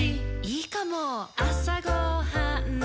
いいかも！